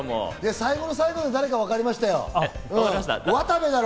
最後の最後で誰かわかりましたよ、渡部だろ？